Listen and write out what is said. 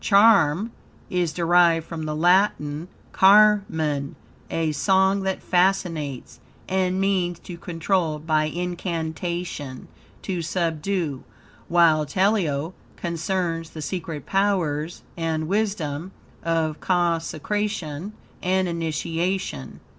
"Charm" is derived from the Latin "carmen," a song that fascinates, and means to control by incantation, to subdue; while Teleo concerns the secret powers and wisdom of consecration and initiation.